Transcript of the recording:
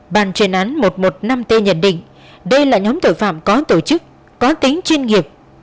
bàn chuyên án một trăm một mươi năm t nhận định đây là nhóm tội phạm có tổ chức có tính chuyên nghiệp